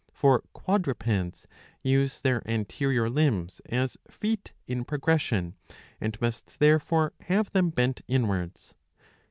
For quadrupeds use their anterior limbs as feet in progression, and must therefore have them bent inwards.